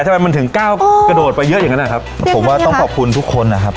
ทำไมมันถึงก้าวกระโดดไปเยอะอย่างนั้นนะครับผมว่าต้องขอบคุณทุกคนนะครับ